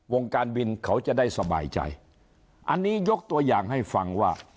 วงการบินเขาจะได้สบายใจอันนี้ยกตัวอย่างให้ฟังว่า